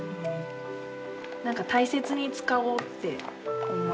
何か大切に使おうって思いますね。